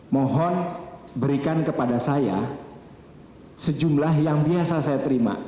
mohon berikan kepada saya sejumlah yang biasa saya terima